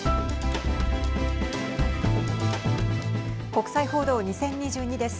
国際報道２０２２です。